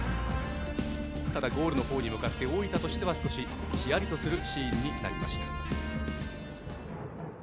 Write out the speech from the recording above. ただ、ゴールのほうに向かって大分としては、ひやりとするシーンになりました。